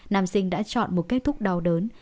nam sinh đã chọn một kết thúc đau đớn